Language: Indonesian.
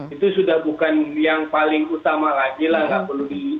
itu sudah bukan yang paling utama lagi lah